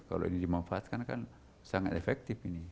kalau ini dimanfaatkan kan sangat efektif ini